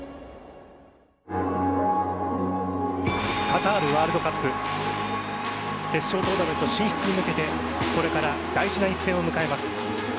カタールワールドカップ決勝トーナメント進出に向けてこれから大事な一戦を迎えます。